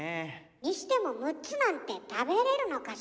にしても６つなんて食べれるのかしら。